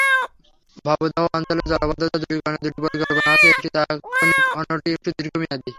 ভবদহ অঞ্চলের জলাবদ্ধতা দূরীকরণে দুটি পরিকল্পনা আছে—একটি তাৎক্ষণিক, অন্যটি একটু দীর্ঘমেয়াদি।